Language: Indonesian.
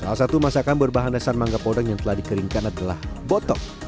salah satu masakan berbahan dasar mangga podeng yang telah dikeringkan adalah botok